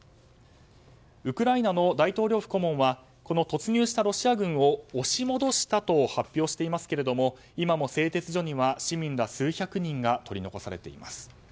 ウクライナの大統領府顧問はこの突入したロシア軍を押し戻したと発表していますが今も製鉄所には市民ら数百人が取り残されています。